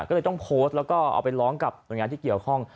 ก็เลยต้องโพสต์แล้วก็เอาไปร้องกับหน่วยงานที่เกี่ยวข้อง